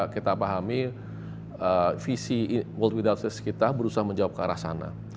kita pahami visi world without us kita berusaha menjauh ke arah sana